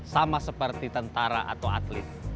sama seperti tentara atau atlet